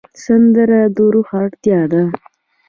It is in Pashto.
سندره د روح اړتیا ده